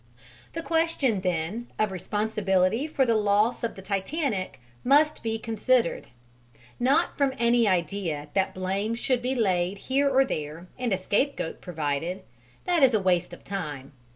The question, then, of responsibility for the loss of the Titanic must be considered: not from any idea that blame should be laid here or there and a scapegoat provided that is a waste of time.